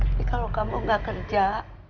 tapi kalau kamu gak kerja